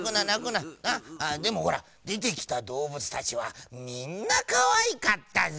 でもほらでてきたどうぶつたちはみんなかわいかったぞ」。